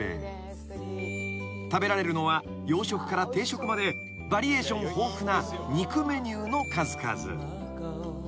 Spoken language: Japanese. ［食べられるのは洋食から定食までバリエーション豊富な肉メニューの数々］